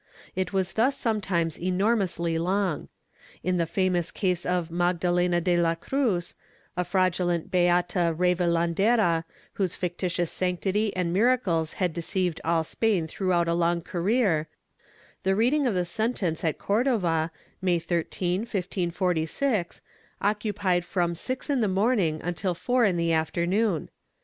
It was thus sometimes enormously long. In the famous case of Magdalena de la Cruz, a fraudulent beata revelandera, whose fictitious sanctity and miracles had deceived all Spain throughout a long career, the reading of the sentence at Cordova, May 13, 1546, occupied from six in the morning until four in the afternoon.